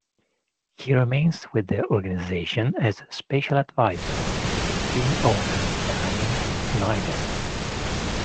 He remains with the organization as "Special Advisor" to the team owner Daniel Snyder.